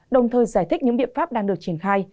đồng thời giải thích những biện pháp đang được triển khai